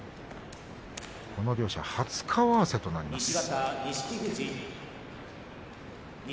この両者は初顔合わせとなります。